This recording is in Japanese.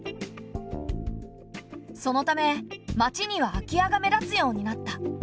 そのため町には空き家が目立つようになった。